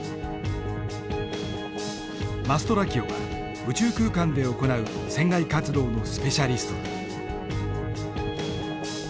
マストラキオは宇宙空間で行う船外活動のスペシャリストだ。